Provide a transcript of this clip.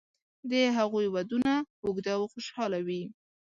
د هغوی ودونه اوږده او خوشاله وي.